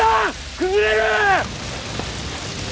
崩れる！